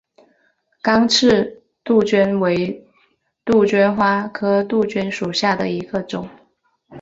刚刺杜鹃为杜鹃花科杜鹃属下的一个种。